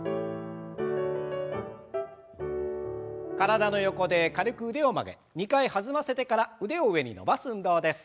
体の横で軽く腕を曲げ２回弾ませてから腕を上に伸ばす運動です。